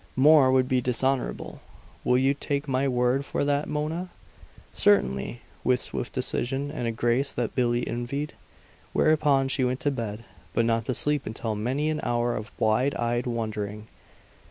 More would be dishonorable. Will you take my word for that, Mona?" "Certainly," with swift decision, and a grace that Billie envied. Whereupon she went to bed, but not to sleep until after many an hour of wide eyed wondering.